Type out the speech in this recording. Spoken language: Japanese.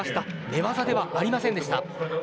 寝技ではありませんでした。